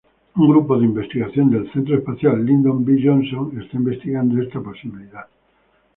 Un grupo de investigación del Centro Espacial Lyndon B. Johnson está investigando esta posibilidad.